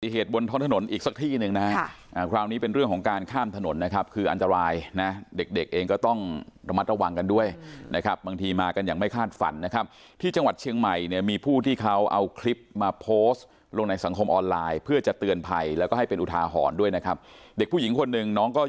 เหตุบนท้องถนนอีกสักที่หนึ่งนะฮะคราวนี้เป็นเรื่องของการข้ามถนนนะครับคืออันตรายนะเด็กเด็กเองก็ต้องระมัดระวังกันด้วยนะครับบางทีมากันอย่างไม่คาดฝันนะครับที่จังหวัดเชียงใหม่เนี่ยมีผู้ที่เขาเอาคลิปมาโพสต์ลงในสังคมออนไลน์เพื่อจะเตือนภัยแล้วก็ให้เป็นอุทาหรณ์ด้วยนะครับเด็กผู้หญิงคนหนึ่งน้องก็